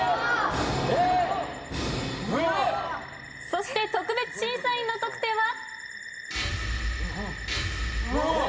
そして特別審査員の得点は？